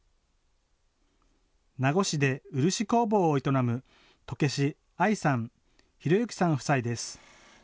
名護市で漆工房を営む渡慶次愛さん、弘幸さん夫妻です。